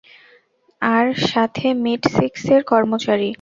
আর সাথে মীট স্টিক্সের কর্মচারী।